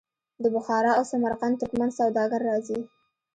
د بخارا او سمرقند ترکمن سوداګر راځي.